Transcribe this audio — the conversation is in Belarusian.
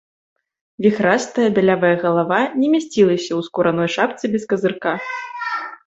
Віхрастая бялявая галава не мясцілася ў скураной шапцы без казырка.